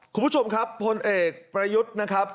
คุณผู้ชมครับพลเอกประยุทธ์นะครับ